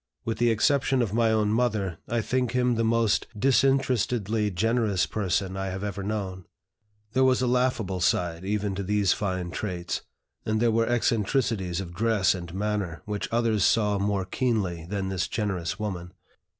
With the exception of my own mother, I think him the most disinterestedly generous person I have ever known." There was a laughable side even to these fine traits, and there were eccentricities of dress and manner, which others saw more keenly than this generous woman.